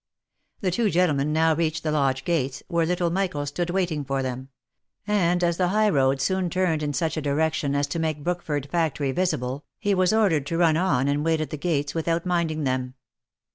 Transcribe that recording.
The two gentlemen now reached the lodge gates, where little Michael stood waiting for them ; and as the high road soon turned in such a direction as to make Brookford factory visible, he was ordered to run on, and wait at the gates without minding them.